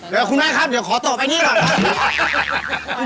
เดี๋ยวคุณแม่ครับเดี๋ยวขอตอบไอ้นี่ก่อนครับ